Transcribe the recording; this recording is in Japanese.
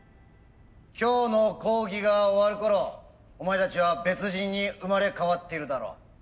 今日の講義が終わるころお前たちは別人に生まれ変わっているだろう。